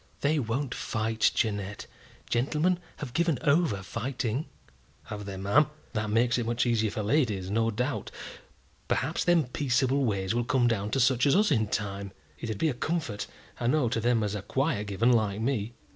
"They won't fight, Jeannette. Gentlemen have given over fighting." "Have they, ma'am? That makes it much easier for ladies, no doubt. Perhaps them peaceable ways will come down to such as us in time. It'd be a comfort, I know, to them as are quiet given, like me.